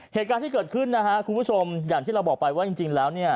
เหตุการณ์ที่เกิดขึ้นนะฮะคุณผู้ชมอย่างที่เราบอกไปว่าจริงแล้วเนี่ย